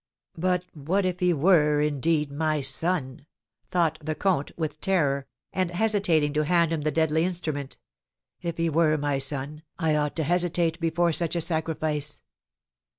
"But what if he were, indeed, my son!" thought the comte, with terror, and hesitating to hand him the deadly instrument. "If he were my son I ought to hesitate before such a sacrifice."